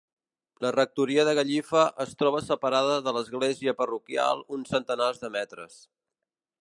La rectoria de Gallifa es troba separada de l'església parroquial uns centenars de metres.